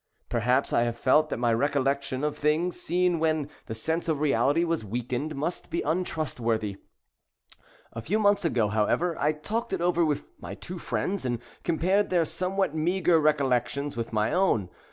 Perhaps I have felt that my recollections of things seen when the sense of reality was weakened must be 138 untrustworthy. A few months ago, how The Old ever, I talked it over with my two friends, and compared their somewhat meagre recollections with my own.